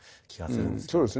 うんそうですね。